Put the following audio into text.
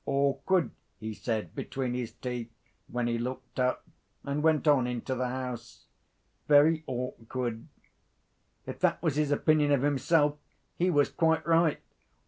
'Awkward!' he said between his teeth, when he looked up, and went on to the house—'very awkward!' If that was his opinion of himself, he was quite right.